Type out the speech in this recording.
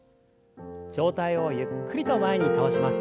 上体をゆっくりと前に倒します。